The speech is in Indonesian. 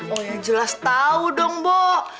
oh ya jelas tahu dong bu